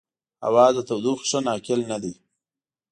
هوا د تودوخې ښه ناقل نه دی.